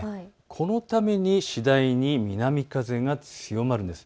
このために次第に南風が強まるんです。